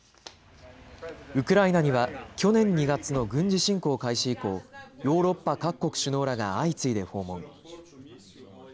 ウクライナには去年２月の軍事侵攻開始以降、ヨーロッパ各国首脳らが相次いで訪問。